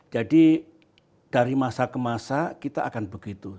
jadi dari masa ke masa kita akan begitu